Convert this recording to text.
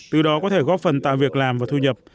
từ đó có thể góp phần tạo việc làm và thu nhập